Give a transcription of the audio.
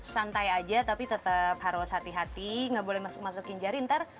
santai aja tapi tetap harus hati hati nggak boleh masuk masukin jari ntar